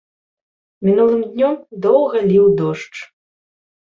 Мінулым днём доўга ліў дождж.